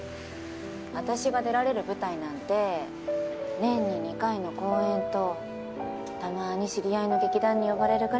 私が出られる舞台なんて年に２回の公演とたまに知り合いの劇団に呼ばれるぐらいで。